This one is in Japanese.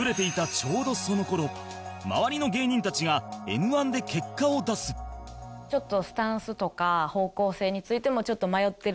ちょうどその頃周りの芸人たちが Ｍ−１ で結果を出すでその時に。